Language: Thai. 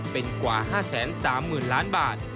เป็นกว่า๕๓๐๐๐ล้านบาท